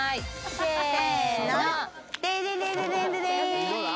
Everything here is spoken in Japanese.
せの。